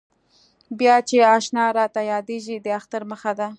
بیا چې اشنا راته یادېږي د اختر مخه ده.